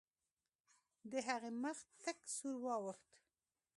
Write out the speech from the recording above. د هغې مخ تک سور واوښت.